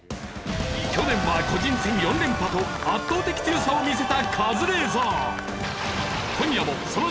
去年は個人戦４連覇と圧倒的強さを見せたカズレーザー。